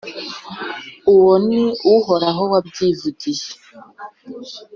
uwo ni uhoraho wabyivugiye.